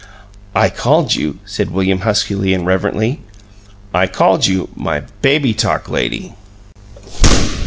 "I called you," said William, huskily and reverently, "I called you 'My Baby Talk Lady.'"